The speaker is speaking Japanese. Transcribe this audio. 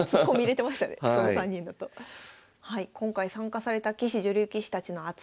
今回参加された棋士・女流棋士たちの熱い思い